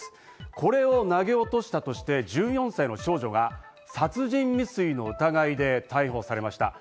これを投げ落としたとして１４歳の少女が殺人未遂の疑いで逮捕されました。